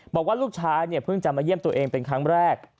บอกว่าลูกชายเนี่ยเพิ่งจะมาเยี่ยมตัวเองเป็นครั้งแรก